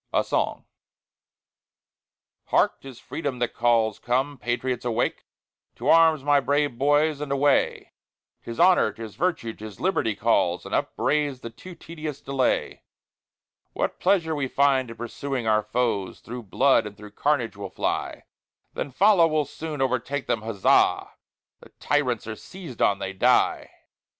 A SONG Hark! 'tis Freedom that calls, come, patriots, awake! To arms, my brave boys, and away: 'Tis Honor, 'tis Virtue, 'tis Liberty calls, And upbraids the too tedious delay. What pleasure we find in pursuing our foes, Thro' blood and thro' carnage we'll fly; Then follow, we'll soon overtake them, huzza! The tyrants are seized on, they die!